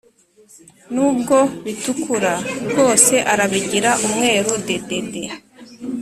Nubwo bitukura rwose arabigira umweru dedede